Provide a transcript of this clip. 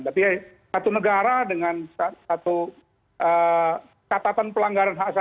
tapi ya satu negara dengan satu katapan pelanggaran hak azazi